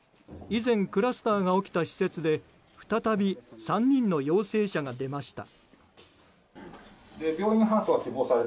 以前、クラスターが起きた施設で再び３人の陽性者が出ました。